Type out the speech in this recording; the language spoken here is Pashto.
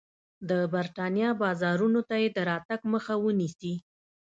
د برېټانیا بازارونو ته یې د راتګ مخه ونیسي.